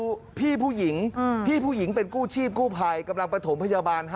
แล้วอ้างด้วยว่าผมเนี่ยทำงานอยู่โรงพยาบาลดังนะฮะกู้ชีพที่เขากำลังมาประถมพยาบาลดังนะฮะ